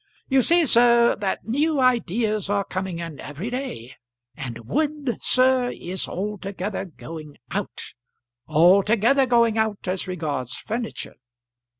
You see, sir, that new ideas are coming in every day, and wood, sir, is altogether going out, altogether going out as regards furniture.